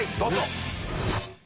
どうぞ。